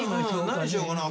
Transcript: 何しようかな。